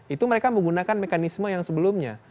itu mereka menggunakan mekanisme yang sebelumnya